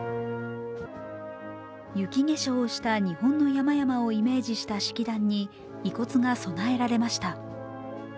雪化粧をした日本の山々をイメージした式壇に遺骨が供えられました。